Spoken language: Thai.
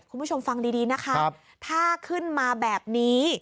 คุณผู้ชมฟังดีนะคะถ้าขึ้นมาแบบนี้